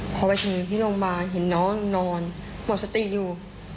พอไปถึงที่โรงพยาบาลเห็นน้องนอนหมดสติอยู่